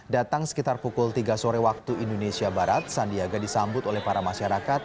datang sekitar pukul tiga sore waktu indonesia barat sandiaga disambut oleh para masyarakat